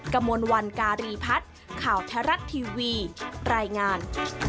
กระมวลวันการีพัฒน์ข่าวแท้รัฐทีวีรายงาน